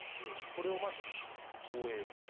これをまず、防衛する。